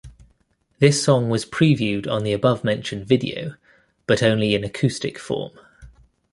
This song was previewed on the above-mentioned video, but only in acoustic form.